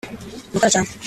gukora cyane